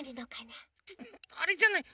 あれじゃない？